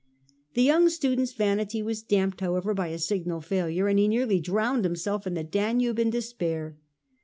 The young student^s vanity was damped, however, by a signal failure, and he nearly drowned him self in the Danube iri despair.